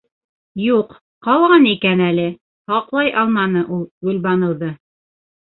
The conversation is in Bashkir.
Юҡ, ҡалған икән әле. һаҡлай алманы ул Гөлбаныуҙы.